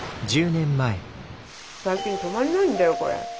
最近止まんないんだよこれ。